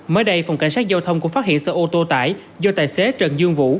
mới đây phòng cảnh sát giao thông cũng phát hiện xe ô tô tải do tài xế trần dương vũ